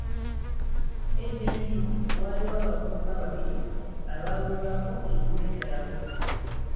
Edda ennyo, waaliwo abavubuka babiri abaabulwako ente zaabwe.